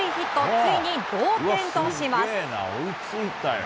ついに同点とします。